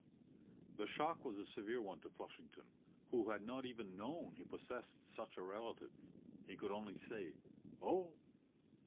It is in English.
The shock was a severe one to Flushington, who had not even known he possessed such a relative; he could only say, "Oh?"